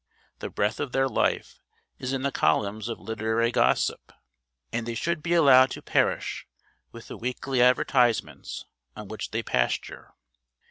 The breath of their life is in the columns of 'Literary Gossip;' and they should be allowed to perish with the weekly advertisements on which they pasture.